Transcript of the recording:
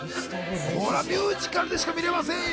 ミュージカルでしか見られませんよ。